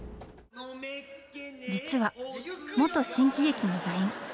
実は、元新喜劇の座員。